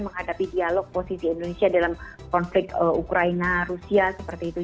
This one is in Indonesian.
menghadapi dialog posisi indonesia dalam konflik ukraina rusia seperti itu